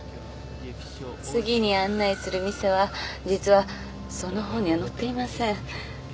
次に案内する店は実はその本には載っていません。